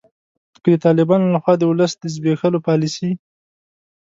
که د طالبانو لخوا د ولس د زبیښولو پالسي